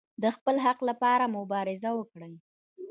د خپل حق لپاره مبارزه وکړئ